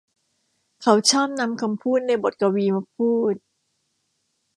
เขาชอบนำคำพูดในบทกวีมาพูด